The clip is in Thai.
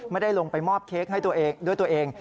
ไม่ได้ลงไปมอบเค้กด้วยตัวเอง